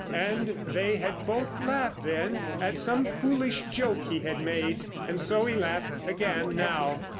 And they had both laughed then at some foolish joke he had made. And so he laughed again now.